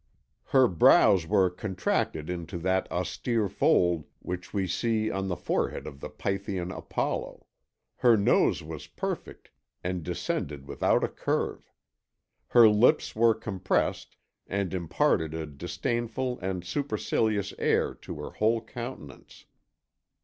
Her brows were contracted into that austere fold which we see on the forehead of the Pythian Apollo; her nose was perfect and descended without a curve; her lips were compressed and imparted a disdainful and supercilious air to her whole countenance.